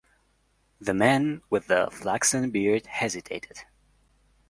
The man with the flaxen beard hesitated.